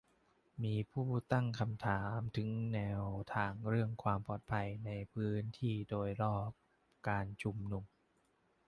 มีผู้ตั้งคำถามถึงแนวทางเรื่องความปลอดภัยในพื้นที่โดยรอบการชุมนุม